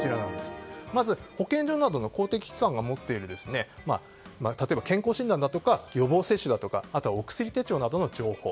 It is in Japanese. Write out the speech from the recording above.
まず保健所などの公的機関が持っている例えば健康診断や予防接種だとかあとは、お薬手帳などの情報。